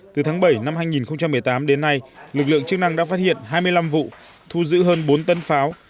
từ tháng bảy năm hai nghìn một mươi tám đến nay lực lượng chức năng đã phát hiện hai mươi năm vụ thu giữ hơn bốn tấn pháo